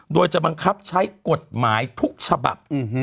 โดยจะบังคับใช้กฎหมายทุกฉบับ